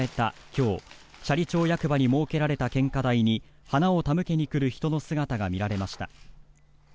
今日斜里町役場に設けられた献花台に花を手向けに来る人の姿が見られました。